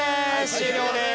終了です。